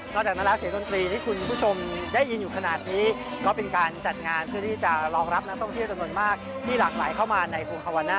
จากนั้นแล้วเสียงดนตรีที่คุณผู้ชมได้ยินอยู่ขนาดนี้ก็เป็นการจัดงานเพื่อที่จะรองรับนักท่องเที่ยวจำนวนมากที่หลากหลายเข้ามาในกรุงคาวาน่า